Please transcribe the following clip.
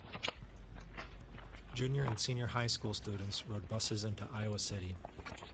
Junior and senior high school students rode buses into Iowa City.